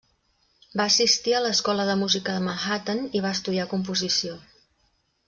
Va assistir a l'Escola de Música de Manhattan i va estudiar composició.